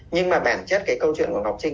nhưng mà bản chất cái câu chuyện của ngọc trinh